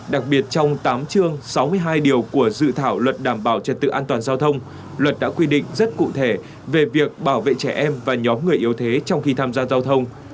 đặc biệt trong tám chương sáu mươi hai điều của dự thảo luật đảm bảo trật tự an toàn giao thông luật đã quy định rất cụ thể về việc bảo vệ trẻ em và nhóm người yếu thế trong khi tham gia giao thông